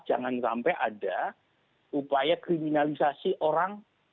jangan sampai ada upaya kriminalisasi orang